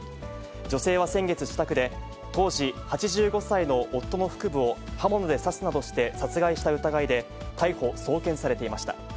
女性は先月、自宅で、当時８５歳の夫の腹部を刃物で刺すなどして殺害した疑いで、逮捕・送検されていました。